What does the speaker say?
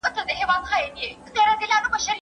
بې له کورنۍ روزني ریښتینولي نه زده کېږي.